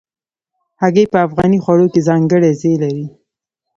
هګۍ په افغاني خوړو کې ځانګړی ځای لري.